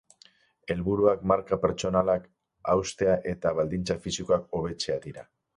Helburuak marka pertsonalak haustea eta baldintza fisikoa hobetzea dira.